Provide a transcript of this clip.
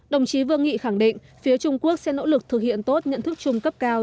đồng chí vương nghị khẳng định phía trung quốc sẽ nỗ lực thực hiện tốt nhận thức chung cấp cao